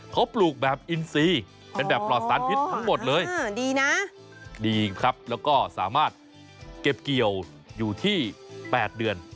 เขาปลูกแบบอินซีเป็นแบบปลอดสารพิษทั้งหมดเลยดีนะดีครับแล้วก็สามารถเก็บเกี่ยวอยู่ที่๘เดือน